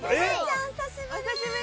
久しぶり。